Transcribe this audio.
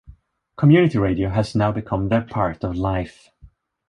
Community Radio has now become their part of life.